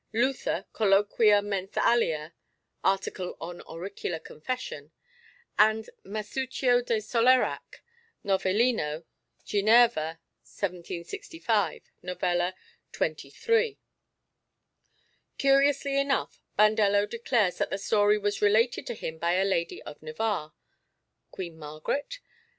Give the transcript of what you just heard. Luther, Colloquia Mens alia (article on auricular confession); and Masuccio de Solerac, Novellino, Ginevra, 1765 (Novella xxiii.). Curiously enough, Bandello declares that the story was related to him by a lady of Navarre (Queen Margaret?)